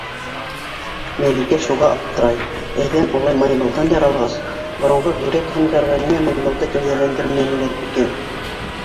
Мәликә шуға аптырай: әҙәм улай маймылдан яралғас, боронғо һүрәт-һындарҙа ниңә маймылды кәүҙәләндермәнеләр икән?